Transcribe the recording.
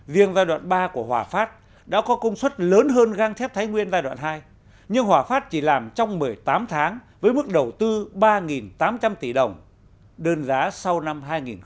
riêng giai đoạn ba của hòa phát đã có công suất lớn hơn gang thép thái nguyên giai đoạn hai nhưng hòa phát chỉ làm trong một mươi tám tháng với mức đầu tư ba tám trăm linh tỷ đồng đơn giá sau năm hai nghìn một mươi năm